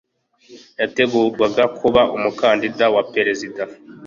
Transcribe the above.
Yategurwaga kuba umukandida wa perezida.